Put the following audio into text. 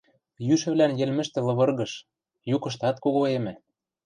Йӱшӹвлӓн йӹлмӹштӹ лывыргыш, юкыштат когоэмӹ.